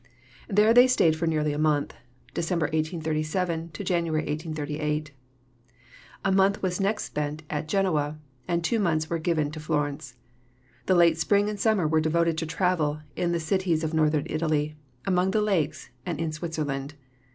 There they stayed for nearly a month (Dec. 1837 Jan. 1838). A month was next spent at Genoa, and two months were given to Florence. The late spring and summer were devoted to travel in the cities of Northern Italy, among the lakes, and in Switzerland.